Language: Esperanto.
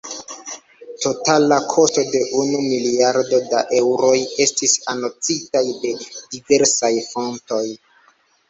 Totala kosto de unu miliardo da eŭroj estis anoncita de diversaj fontoj.